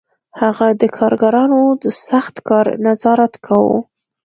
هغه د کارګرانو د سخت کار نظارت کاوه